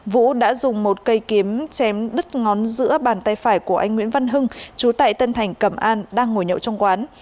vũ đã dùng một cây kiếm chém đứt ngón giữa bàn tay phải của anh nguyễn văn hưng chú tại tân thành cẩm an đang ngồi nhậu trong quán